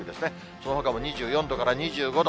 そのほかも２４度から２５度。